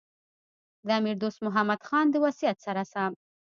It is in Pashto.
د امیر دوست محمد خان د وصیت سره سم.